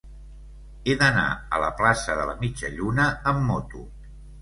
He d'anar a la plaça de la Mitja Lluna amb moto.